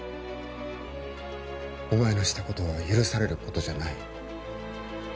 お前のしたことは許されることじゃない